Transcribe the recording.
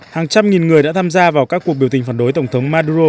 hàng trăm nghìn người đã tham gia vào các cuộc biểu tình phản đối tổng thống maduro